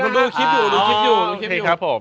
ดูคลิปอยู่โอเคครับผม